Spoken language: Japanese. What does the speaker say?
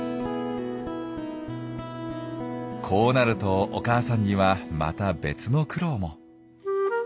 こうなるとお母さんにはまた別の苦労も。